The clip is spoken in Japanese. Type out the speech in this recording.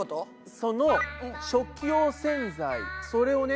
その食器用洗剤それをね